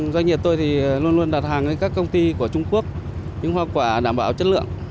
doanh nghiệp tôi thì luôn luôn đặt hàng với các công ty của trung quốc những hoa quả đảm bảo chất lượng